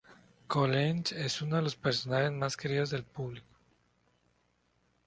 Colleen es uno de los personajes más queridos del público.